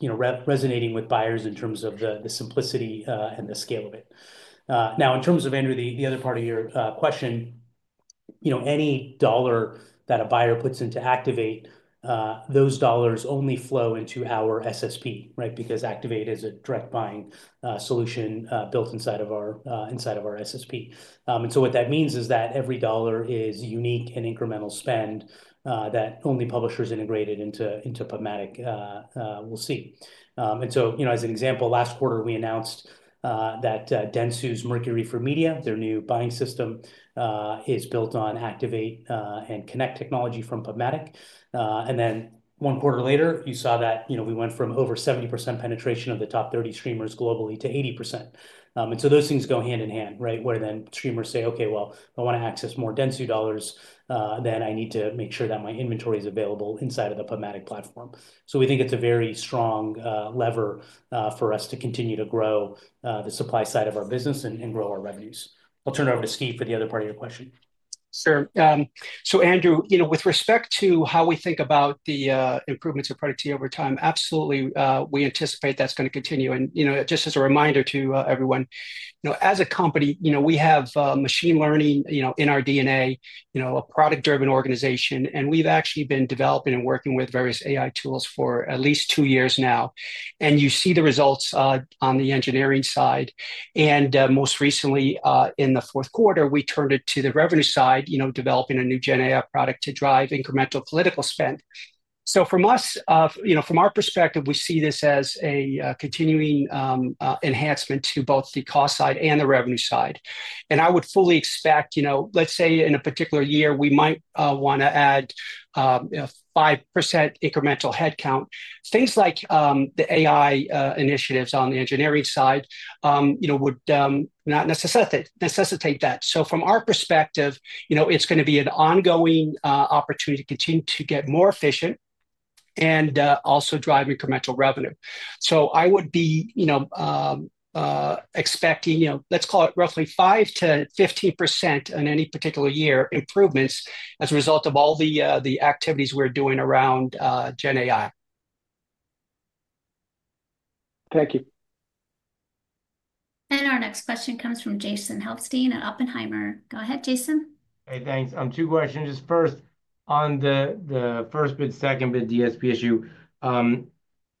is resonating with buyers in terms of the simplicity and the scale of it. In terms of, Andrew, the other part of your question, any dollar that a buyer puts into Activate, those dollars only flow into our SSP, right? Because Activate is a direct buying solution built inside of our SSP. What that means is that every dollar is unique and incremental spend that only publishers integrated into PubMatic will see. As an example, last quarter, we announced that Dentsu's Mercury for Media, their new buying system, is built on Activate and Connect technology from PubMatic. One quarter later, you saw that we went from over 70% penetration of the top 30 streamers globally to 80%. Those things go hand in hand, right? Where then streamers say, "Okay, I want to access more Dentsu dollars, then I need to make sure that my inventory is available inside of the PubMatic platform." We think it's a very strong lever for us to continue to grow the supply side of our business and grow our revenues. I'll turn it over to Steve for the other part of your question. Sure. Andrew, with respect to how we think about the improvements of productivity over time, absolutely, we anticipate that's going to continue. Just as a reminder to everyone, as a company, we have machine learning in our DNA, a product-driven organization. We've actually been developing and working with various AI tools for at least two years now. You see the results on the engineering side. Most recently, in the fourth quarter, we turned it to the revenue side, developing a new GenAI product to drive incremental political spend. From our perspective, we see this as a continuing enhancement to both the cost side and the revenue side. I would fully expect, let's say in a particular year, we might want to add a 5% incremental headcount. Things like the AI initiatives on the engineering side would not necessitate that. From our perspective, it's going to be an ongoing opportunity to continue to get more efficient and also drive incremental revenue. I would be expecting, let's call it roughly 5%-15% in any particular year improvements as a result of all the activities we're doing around GenAI. Thank you. Our next question comes from Jason Helstein at Oppenheimer. Go ahead, Jason. Hey, thanks. Two questions. Just first, on the first bid, second bid, DSP issue,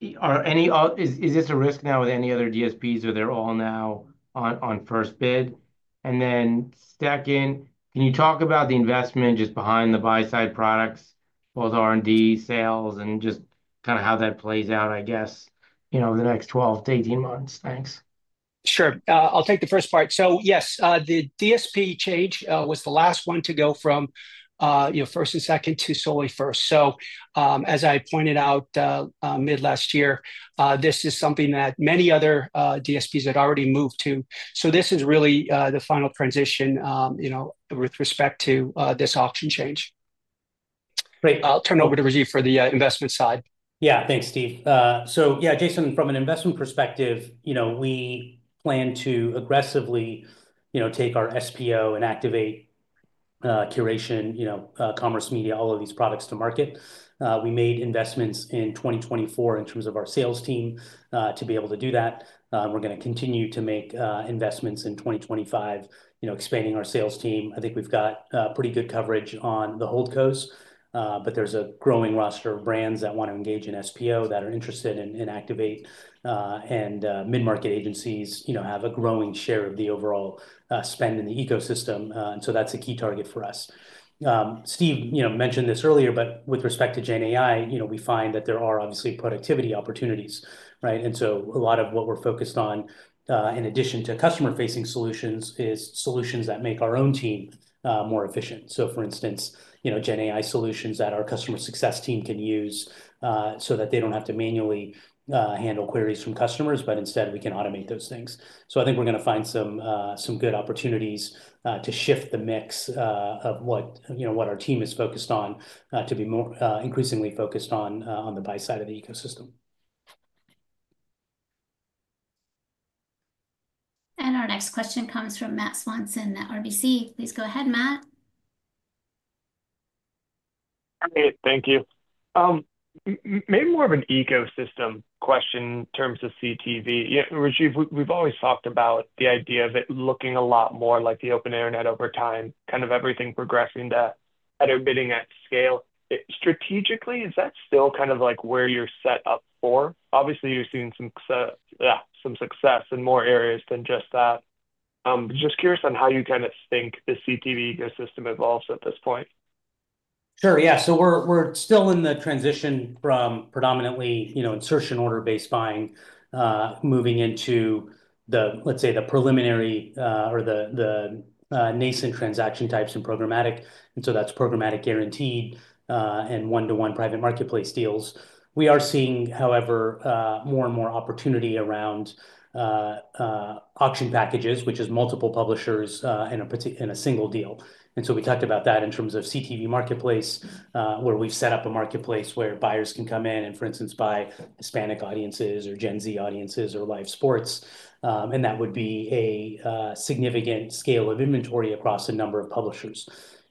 is this a risk now with any other DSPs or they're all now on first bid? Then second, can you talk about the investment just behind the buy-side products, both R&D, sales, and just kind of how that plays out, I guess, over the next 12 to 18 months? Thanks. Sure. I'll take the first part. Yes, the DSP change was the last one to go from first and second to solely first. As I pointed out mid-last year, this is something that many other DSPs had already moved to. This is really the final transition with respect to this auction change. Great. I'll turn it over to Rajiv for the investment side. Yeah. Thanks, Steve. Yeah, Jason, from an investment perspective, we plan to aggressively take our SPO and Activate curation, commerce media, all of these products to market. We made investments in 2024 in terms of our sales team to be able to do that. We're going to continue to make investments in 2025, expanding our sales team. I think we've got pretty good coverage on the whole coast, but there's a growing roster of brands that want to engage in SPO that are interested in Activate. Mid-market agencies have a growing share of the overall spend in the ecosystem. That is a key target for us. Steve mentioned this earlier, but with respect to GenAI, we find that there are obviously productivity opportunities, right? A lot of what we're focused on, in addition to customer-facing solutions, is solutions that make our own team more efficient. For instance, GenAI solutions that our customer success team can use so that they do not have to manually handle queries from customers, but instead, we can automate those things. I think we are going to find some good opportunities to shift the mix of what our team is focused on to be more increasingly focused on the buy-side of the ecosystem. Our next question comes from Matt Swanson at RBC. Please go ahead, Matt. Hey, thank you. Maybe more of an ecosystem question in terms of CTV. Rajiv, we have always talked about the idea of it looking a lot more like the open internet over time, kind of everything progressing at a bidding at scale. Strategically, is that still kind of like where you are set up for? Obviously, you are seeing some success in more areas than just that. Just curious on how you kind of think the CTV ecosystem evolves at this point. Sure. Yeah. We are still in the transition from predominantly insertion order-based buying, moving into, let's say, the preliminary or the nascent transaction types in programmatic. That is programmatic guaranteed and one-to-one private marketplace deals. We are seeing, however, more and more opportunity around auction packages, which is multiple publishers in a single deal. We talked about that in terms of CTV Marketplace, where we have set up a marketplace where buyers can come in and, for instance, buy Hispanic audiences or Gen Z audiences or live sports. That would be a significant scale of inventory across a number of publishers.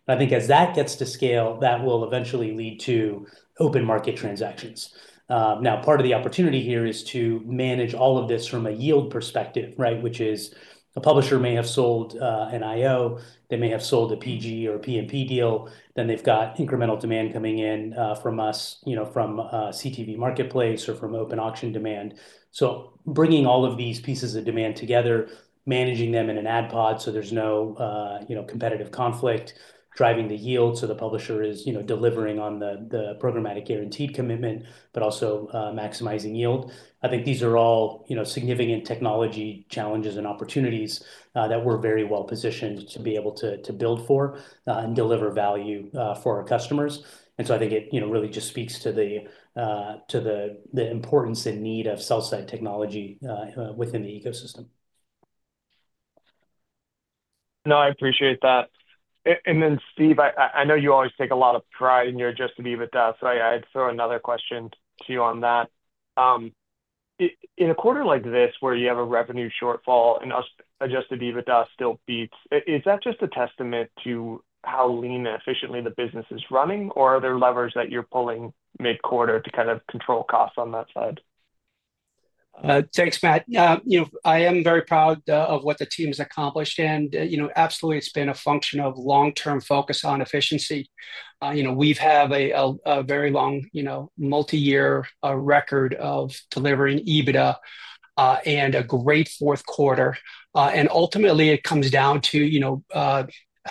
I think as that gets to scale, that will eventually lead to open market transactions. Now, part of the opportunity here is to manage all of this from a yield perspective, right? Which is a publisher may have sold an IO, they may have sold a PG or a PMP deal, then they've got incremental demand coming in from us, from CTV Marketplace or from open auction demand. Bringing all of these pieces of demand together, managing them in an ad pod so there's no competitive conflict, driving the yield so the publisher is delivering on the programmatic guaranteed commitment, but also maximizing yield. I think these are all significant technology challenges and opportunities that we're very well positioned to be able to build for and deliver value for our customers. I think it really just speaks to the importance and need of sell-side technology within the ecosystem. No, I appreciate that. Steve, I know you always take a lot of pride in your adjusted EBITDA, so I'd throw another question to you on that. In a quarter like this where you have a revenue shortfall and adjusted EBITDA still beats, is that just a testament to how lean and efficiently the business is running, or are there levers that you're pulling mid-quarter to kind of control costs on that side? Thanks, Matt. I am very proud of what the team has accomplished. Absolutely, it's been a function of long-term focus on efficiency. We have a very long multi-year record of delivering EBITDA and a great fourth quarter. Ultimately, it comes down to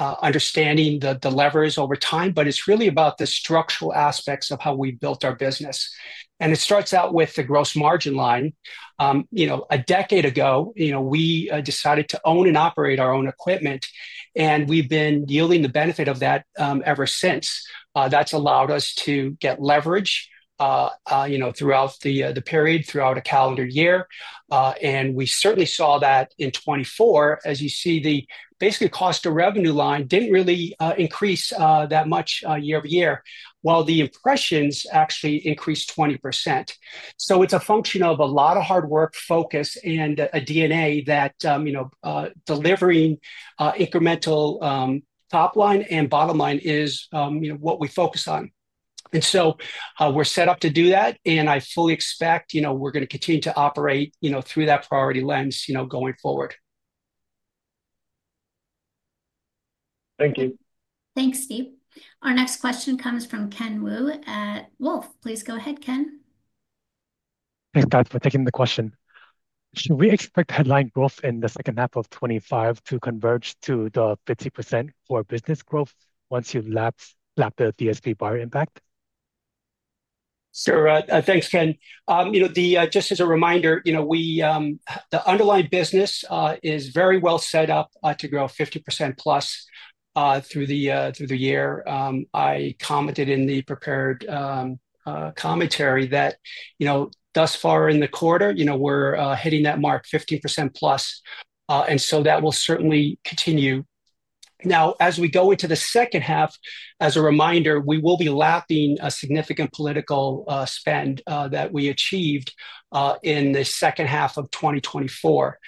understanding the levers over time, but it's really about the structural aspects of how we built our business. It starts out with the gross margin line. A decade ago, we decided to own and operate our own equipment, and we've been yielding the benefit of that ever since. That's allowed us to get leverage throughout the period, throughout a calendar year. We certainly saw that in 2024, as you see, the basically cost of revenue line did not really increase that much year over year, while the impressions actually increased 20%. It is a function of a lot of hard work, focus, and a DNA that delivering incremental top line and bottom line is what we focus on. We are set up to do that, and I fully expect we are going to continue to operate through that priority lens going forward. Thank you. Thanks, Steve. Our next question comes from Ken Wu at Wolfe. Please go ahead, Ken. Thanks, guys, for taking the question. Should we expect headline growth in the second half of 2025 to converge to the 50% for business growth once you lap the DSP buyer impact? Sure. Thanks, Ken. Just as a reminder, the underlying business is very well set up to grow 50%+ through the year. I commented in the prepared commentary that thus far in the quarter, we're hitting that mark 50%+. That will certainly continue. Now, as we go into the second half, as a reminder, we will be lapping a significant political spend that we achieved in the second half of 2024.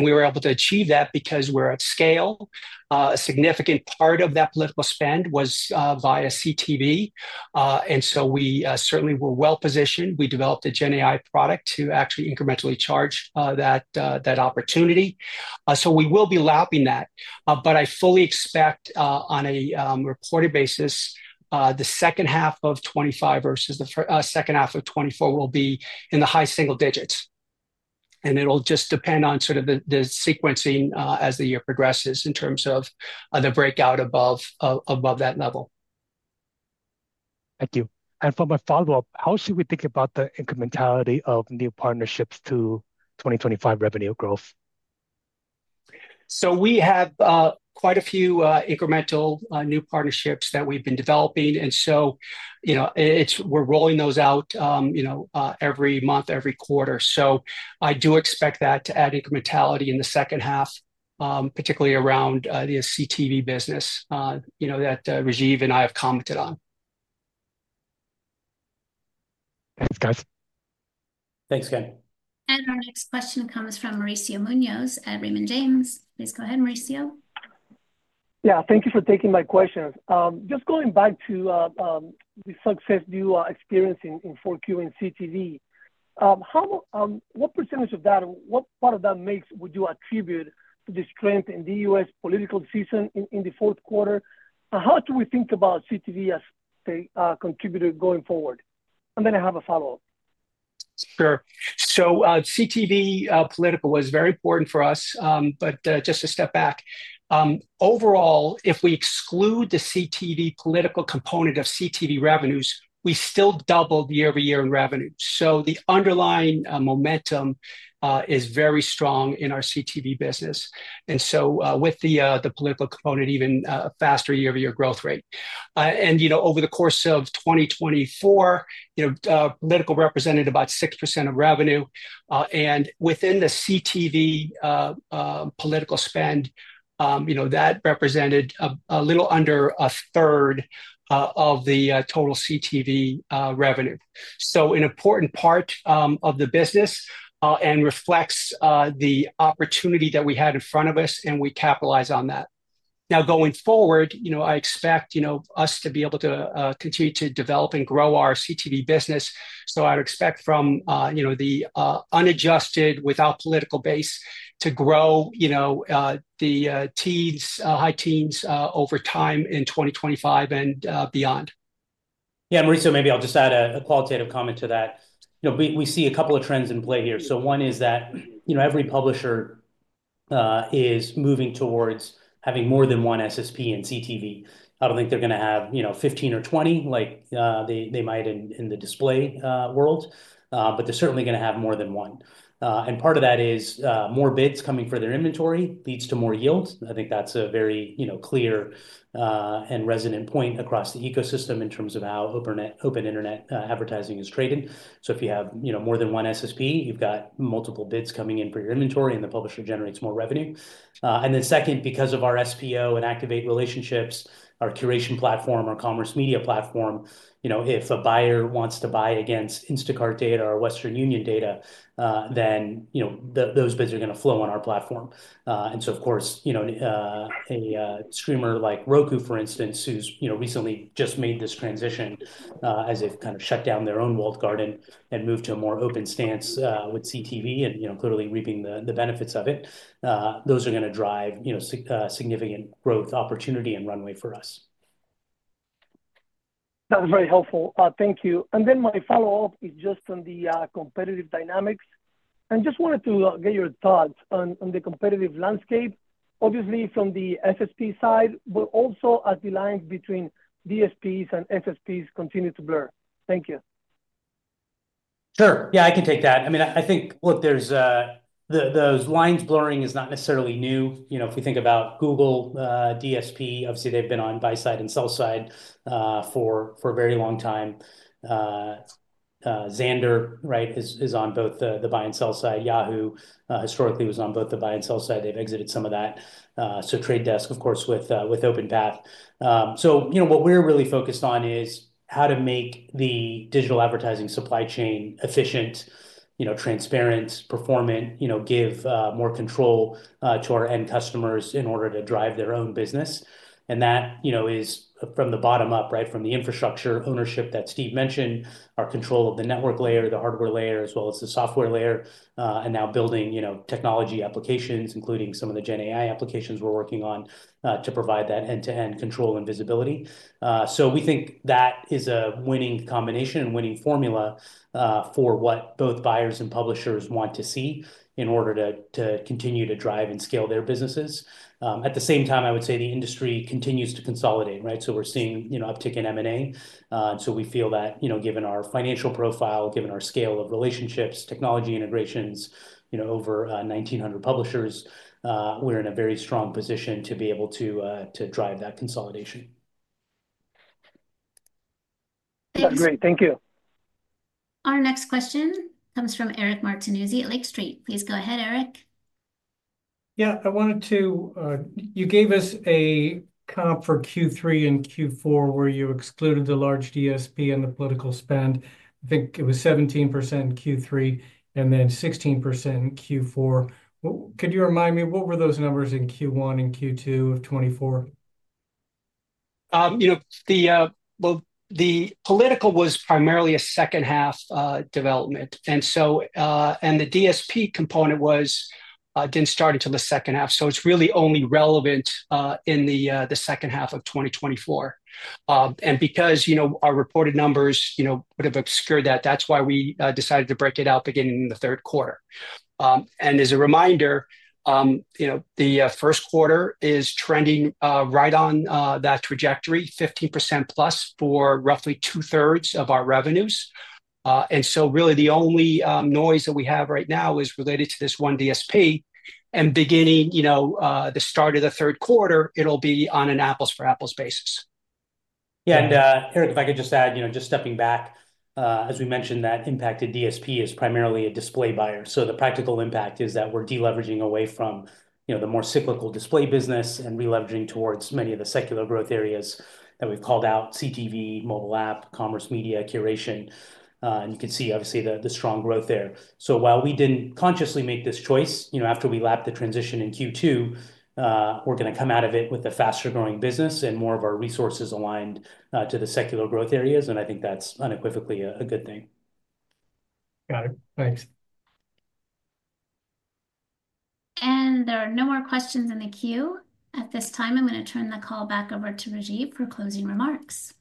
We were able to achieve that because we're at scale. A significant part of that political spend was via CTV. We certainly were well positioned. We developed a GenAI product to actually incrementally charge that opportunity. We will be lapping that. I fully expect on a reported basis, the second half of 2025 versus the second half of 2024 will be in the high single digits. It will just depend on sort of the sequencing as the year progresses in terms of the breakout above that level. Thank you. For my follow-up, how should we think about the incrementality of new partnerships to 2025 revenue growth? We have quite a few incremental new partnerships that we've been developing. We're rolling those out every month, every quarter. I do expect that to add incrementality in the second half, particularly around the CTV business that Rajiv and I have commented on. Thanks, guys. Thanks, Ken. Our next question comes from Mauricio Munoz at Raymond James. Please go ahead, Mauricio. Yeah. Thank you for taking my questions. Just going back to the success you are experiencing in Q4 and CTV, what percentage of that, what part of that would you attribute to the strength in the U.S. political season in the fourth quarter? How do we think about CTV as a contributor going forward? I have a follow-up. Sure. CTV political was very important for us, but just to step back. Overall, if we exclude the CTV political component of CTV revenues, we still doubled year-over-year in revenue. The underlying momentum is very strong in our CTV business. With the political component, even faster year-over-year growth rate. Over the course of 2024, political represented about 6% of revenue. Within the CTV political spend, that represented a little under a third of the total CTV revenue. An important part of the business and reflects the opportunity that we had in front of us, and we capitalize on that. Now, going forward, I expect us to be able to continue to develop and grow our CTV business. I would expect from the unadjusted without political base to grow the high teens over time in 2025 and beyond. Yeah, Mauricio, maybe I'll just add a qualitative comment to that. We see a couple of trends in play here. One is that every publisher is moving towards having more than one SSP in CTV. I don't think they're going to have 15 or 20 like they might in the display world, but they're certainly going to have more than one. Part of that is more bids coming for their inventory leads to more yield. I think that's a very clear and resonant point across the ecosystem in terms of how open internet advertising is traded. If you have more than one SSP, you've got multiple bids coming in for your inventory, and the publisher generates more revenue. Second, because of our SPO and Activate relationships, our curation platform, our commerce media platform, if a buyer wants to buy against Instacart data or Western Union data, then those bids are going to flow on our platform. Of course, a streamer like Roku, for instance, who's recently just made this transition as they've kind of shut down their own walled garden and moved to a more open stance with CTV and clearly reaping the benefits of it, those are going to drive significant growth opportunity and runway for us. That was very helpful. Thank you. Then my follow-up is just on the competitive dynamics. I just wanted to get your thoughts on the competitive landscape, obviously from the SSP side, but also as the lines between DSPs and SSPs continue to blur. Thank you. Sure. Yeah, I can take that. I mean, I think, look, those lines blurring is not necessarily new. If we think about Google DSP, obviously, they've been on buy-side and sell-side for a very long time. Xandr, right, is on both the buy-and-sell side. Yahoo historically was on both the buy-and-sell side. They've exited some of that. Trade Desk, of course, with OpenPath. What we're really focused on is how to make the digital advertising supply chain efficient, transparent, performant, give more control to our end customers in order to drive their own business. That is from the bottom up, right, from the infrastructure ownership that Steve mentioned, our control of the network layer, the hardware layer, as well as the software layer, and now building technology applications, including some of the GenAI applications we're working on to provide that end-to-end control and visibility. We think that is a winning combination and winning formula for what both buyers and publishers want to see in order to continue to drive and scale their businesses. At the same time, I would say the industry continues to consolidate, right? We're seeing uptick in M&A. We feel that given our financial profile, given our scale of relationships, technology integrations over 1,900 publishers, we're in a very strong position to be able to drive that consolidation. That's great. Thank you. Our next question comes from Eric Martinuzzi at Lake Street. Please go ahead, Eric. Yeah. I wanted to—you gave us a comp for Q3 and Q4 where you excluded the large DSP and the political spend. I think it was 17% in Q3 and then 16% in Q4. Could you remind me what were those numbers in Q1 and Q2 of 2024? The political was primarily a second-half development. The DSP component did not start until the second half. It is really only relevant in the second half of 2024. Because our reported numbers would have obscured that, that is why we decided to break it out beginning in the third quarter. As a reminder, the first quarter is trending right on that trajectory, 15%+ for roughly two-thirds of our revenues. Really the only noise that we have right now is related to this one DSP. Beginning the start of the third quarter, it'll be on an apples-for-apples basis. Yeah. Eric, if I could just add, just stepping back, as we mentioned, that impacted DSP is primarily a display buyer. The practical impact is that we're deleveraging away from the more cyclical display business and releveraging towards many of the secular growth areas that we've called out: CTV, mobile app, commerce media, curation. You can see, obviously, the strong growth there. While we didn't consciously make this choice, after we lapped the transition in Q2, we're going to come out of it with a faster-growing business and more of our resources aligned to the secular growth areas. I think that's unequivocally a good thing. Got it. Thanks. There are no more questions in the queue. At this time, I'm going to turn the call back over to Rajiv for closing remarks.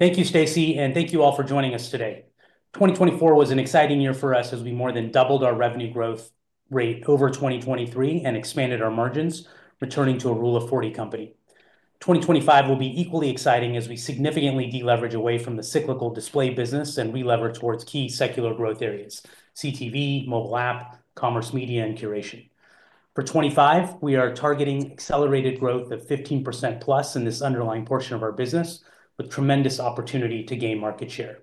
Thank you, Stacie, and thank you all for joining us today. 2024 was an exciting year for us as we more than doubled our revenue growth rate over 2023 and expanded our margins, returning to a rule of 40 company. 2025 will be equally exciting as we significantly deleverage away from the cyclical display business and relever towards key secular growth areas: CTV, mobile app, commerce media, and curation. For 2025, we are targeting accelerated growth of 15%+ in this underlying portion of our business with tremendous opportunity to gain market share.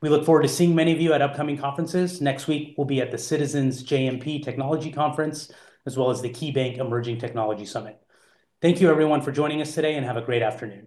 We look forward to seeing many of you at upcoming conferences. Next week, we'll be at the Citizens JMP Technology Conference, as well as the KeyBanc Emerging Technology Summit. Thank you, everyone, for joining us today, and have a great afternoon.